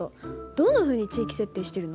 どんなふうに地域設定してるの？